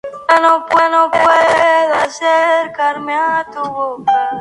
Presenta diferentes espectáculos, como "Mantilla y Peina", "Feria de cantares" o "Así canta España".